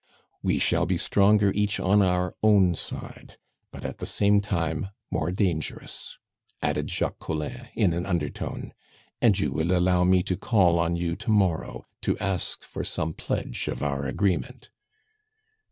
"We shall be stronger each on our own side, but at the same time more dangerous," added Jacques Collin in an undertone. "And you will allow me to call on you to morrow to ask for some pledge of our agreement."